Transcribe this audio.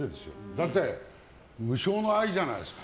だって、無償の愛じゃないですか。